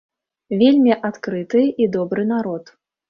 Вельмі адкрыты і добры народ.